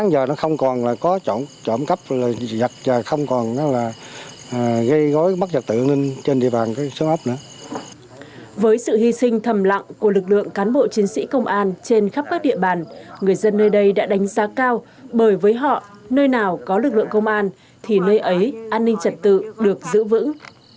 với sự hy sinh thầm lặng của lực lượng cán bộ chiến sĩ công an trên khắp các địa bàn người dân nơi đây đã đánh giá cao bởi với họ nơi nào có lực lượng công an thì nơi ấy an ninh trật tự được giữ vững